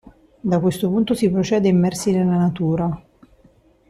Da questo punto si procede immersi nella natura.